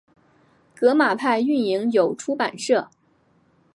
革马派运营有出版社。